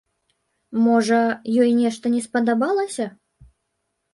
Можа, ёй нешта не спадабалася?